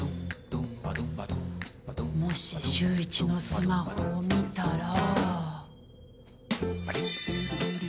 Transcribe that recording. もし、秀一のスマホを見たら。